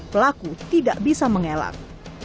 pelaku tidak bisa mengelak